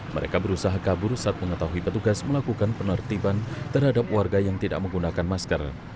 mereka berusaha kabur saat mengetahui petugas melakukan penertiban terhadap warga yang tidak menggunakan masker